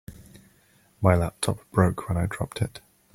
My laptop broke when I dropped it.